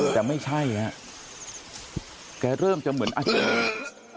แต่ไม่ใช่ฮะแกเริ่มจะเหมือนอาการ